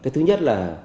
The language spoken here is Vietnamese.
thứ nhất là